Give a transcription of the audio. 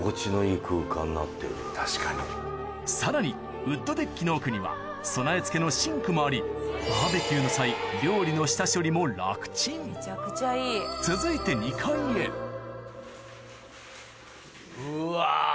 さらにウッドデッキの奥には備え付けのシンクもありバーベキューの際料理の下処理も楽ちんうわ